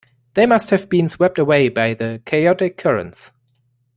They must have been swept away by the chaotic currents.